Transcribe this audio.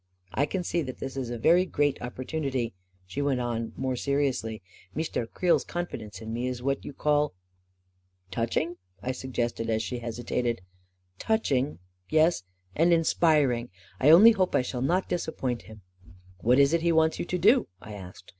44 1 can see that this is a very great opportunity," she went on, more seriously. " Meestaire Creel's confidence in me is what you call ..." 44 Touching," I suggested, as she hesitated. 44 Touching — yes ; and inspiring. I only hope I shall not disappoint him." 44 What is it he wants you to do? " I asked.